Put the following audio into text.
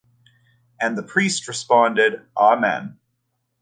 And the priest responded: Amen.